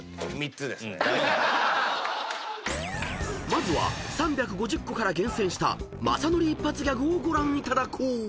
［まずは３５０個から厳選したまさのり一発ギャグをご覧いただこう］